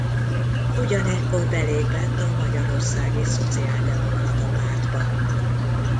Ugyanekkor belépett a Magyarországi Szociáldemokrata Pártba.